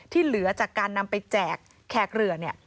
เหลือจากการนำไปแจกแขกเรือเนี่ย